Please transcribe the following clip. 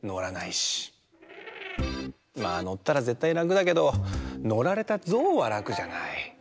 まあのったらぜったいらくだけどのられたぞうはらくじゃない。